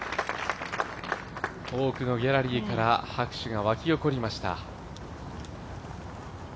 多くのギャラリーから、拍手が沸き起こりました。